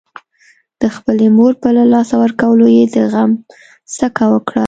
د خپلې مور په له لاسه ورکولو يې د غم څکه وکړه.